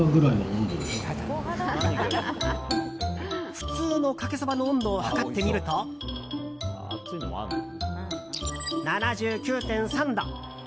普通のかけそばの温度を測ってみると７９．３度。